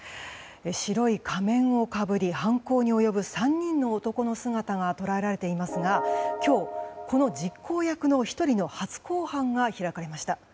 白い仮面をかぶり犯行に及ぶ３人の男の姿が捉えられていますが今日、この実行役の１人の初公判が開かれました。